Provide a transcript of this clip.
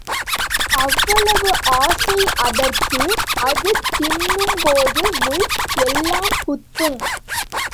அவ்வளவு ஆசை அதற்கு, அது தின்னும் போது முள் எல்லாம் குத்தும்.